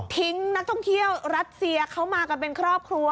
นักท่องเที่ยวรัสเซียเขามากันเป็นครอบครัว